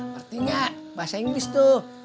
berarti enggak bahasa inggris tuh